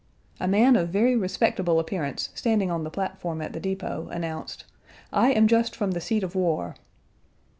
A man of very respectable appearance standing on the platform at the depot, announced, "I am just from the seat of war."